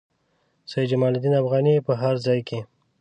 سید جمال الدین افغاني په هر ځای کې.